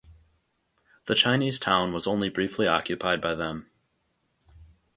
The Chinese town was only briefly occupied by them.